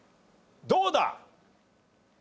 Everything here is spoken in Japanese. どうだ？